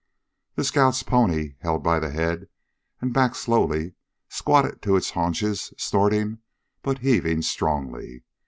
The scout's pony, held by the head and backed slowly, squatted to its haunches, snorting, but heaving strongly.